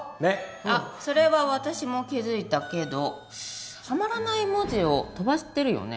あっそれは私も気付いたけどはまらない文字を飛ばしてるよね。